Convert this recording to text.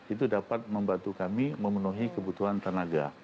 itu dapat membantu kami memenuhi kebutuhan tenaga